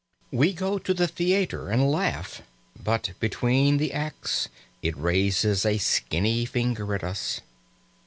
We go to the theatre and laugh; but between the acts it raises a skinny finger at us.